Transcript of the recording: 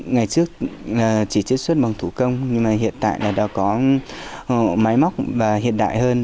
ngày trước chỉ chế xuất bằng thủ công nhưng hiện tại đã có máy móc hiện đại hơn